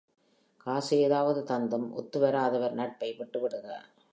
காசு ஏதாவது தந்தும் ஒத்துவாராதவர் நட்பை விட்டுவிடுக.